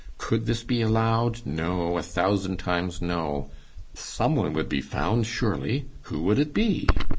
Could this be allowed? No! a thousand times no! Some one would be found surely! Who would it be!